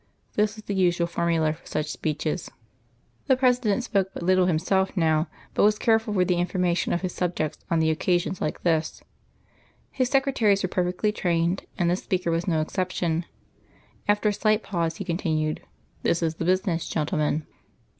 This was the usual formula for such speeches. The President spoke but little himself now; but was careful for the information of his subjects on occasions like this. His secretaries were perfectly trained, and this speaker was no exception. After a slight pause, he continued: "This is the business, gentlemen.